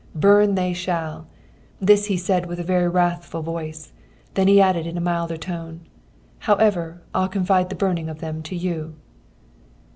Burn they shall!" This he said with a very wrathful voice. Then he added in a milder tone: "However, I'll confide the burning of them to you."'